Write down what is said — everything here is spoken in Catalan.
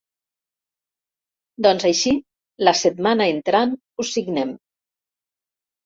Doncs així la setmana entrant ho signem.